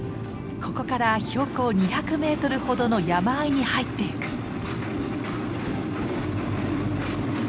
ここから標高２００メートルほどの山あいに入っていく。